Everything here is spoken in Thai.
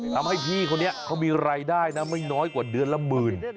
ทำให้พี่คนนี้เขามีรายได้นะไม่น้อยกว่าเดือนละหมื่น